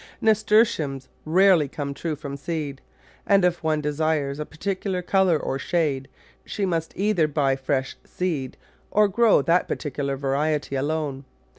Nasturtiums rarely come true from seed, and if one desires a particular colour or shade, she must either buy fresh seed or grow that particular variety alone.